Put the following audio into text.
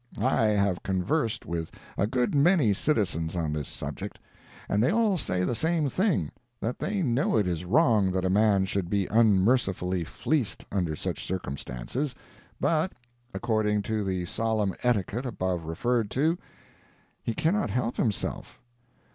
I have conversed with a good many citizens on this subject, and they all say the same thing: that they know it is wrong that a man should be unmercifully fleeced under such circumstances, but, according to the solemn etiquette above referred to, he cannot help himself.